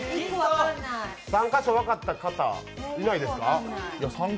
３か所分かった方、いないですか？